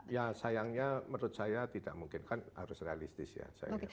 ya sayangnya menurut saya tidak mungkin kan harus realistis ya